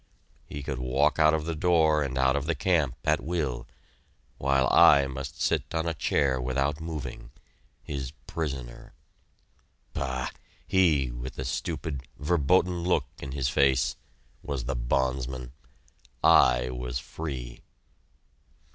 He could walk out of the door and out of the camp, at will, while I must sit on a chair without moving, his prisoner! Bah! He, with the stupid, verboten look in his face, was the bondsman! I was free!